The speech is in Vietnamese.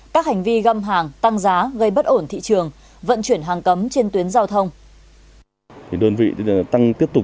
các hành vi găm hàng tăng giá gây bất ổn thị trường vận chuyển hàng cấm trên tuyến giao thông